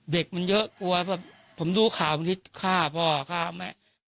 เด็กมันเยอะกลัวแบบผมดูข่าวบางทีฆ่าพ่อฆ่าแม่